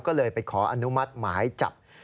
ก็เลยไปขออนุมัติหมายจับ